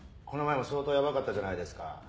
この前も相当ヤバかったじゃないですか。